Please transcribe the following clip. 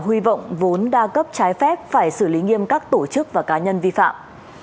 hy vọng vốn đa cấp trái phép phải xử lý nghiêm các tổ chức và cá nhân vi phạm